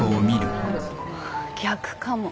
逆かも？